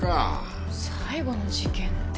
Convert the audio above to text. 最後の事件って。